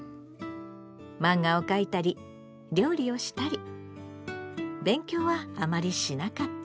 マンガを描いたり料理をしたり勉強はあまりしなかった。